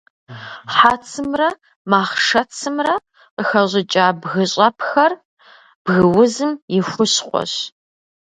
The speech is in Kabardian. Хьэцымрэ махъшэцымрэ къыхэщӏыкӏа бгыщӏэпхэр бгыузым и хущхъуэщ.